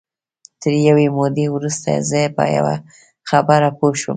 تر یوې مودې وروسته زه په یوه خبره پوه شوم